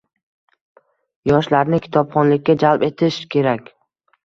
Yoshlarni kitobxonlikka jalb etish kerak.